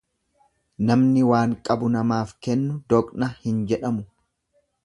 Namni waan qabu namaaf kennu doqna hin jedhamu.